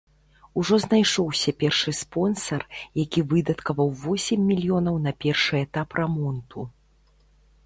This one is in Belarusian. Ужо знайшоўся першы спонсар, які выдаткаваў восем мільёнаў на першы этап рамонту.